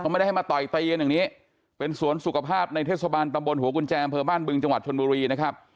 ไม่ได้ให้มาต่อยตีกันอย่างนี้เป็นสวนสุขภาพในเทศบาลตำบลหัวกุญแจอำเภอบ้านบึงจังหวัดชนบุรีนะครับ